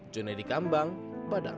jonei di kambang padang